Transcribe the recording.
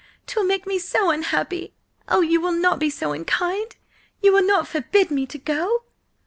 'Twill make me so unhappy! Oh, you will not be so unkind? You will not forbid me to go?"